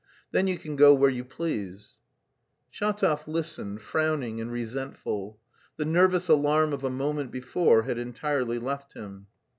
Then you can go where you please." Shatov listened, frowning and resentful. The nervous alarm of a moment before had entirely left him.